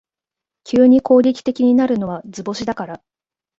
急に攻撃的になるのは図星だから